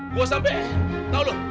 gua sampe tau lo